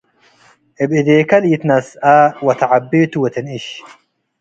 እብ እዴከ ለኢትነስአ ወተዐቤ ቱ ወትንእሽ።